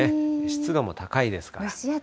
湿度も高いですから。